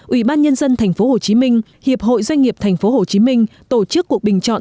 ủy ban nhân dân tp hcm hiệp hội doanh nghiệp tp hcm tổ chức cuộc bình chọn